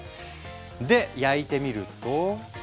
で焼いてみると。